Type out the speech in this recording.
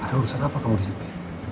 ada urusan apa kamu disini